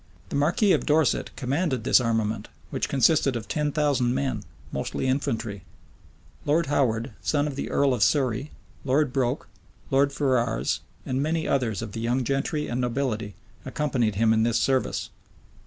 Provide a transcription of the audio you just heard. The marquis of Dorset commanded this armament, which consisted of ten thousand men, mostly infantry; Lord Howard, son of the earl of Surrey, Lord Broke, Lord Ferrars, and many others of the young gentry and nobility, accompanied him in this service.